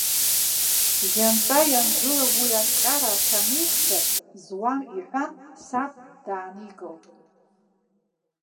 Иантәаиангыла, уи ацәҟьара самеихсыр зуам иҳәан, саб дааникылт.